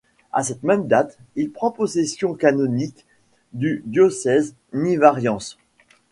À cette même date, il prend possession canonique du diocèse Nivariense.